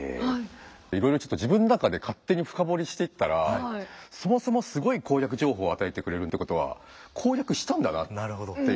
いろいろちょっと自分の中で勝手に深掘りしていったらそもそもすごい攻略情報を与えてくれるってことは攻略したんだなっていうこと逆に言うと。